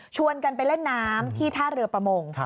กันไปเล่นน้ำที่ท่าเรือประมง